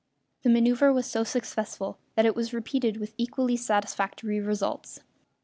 The manoeuvre was so successful that it was repeated with equally satisfactory results.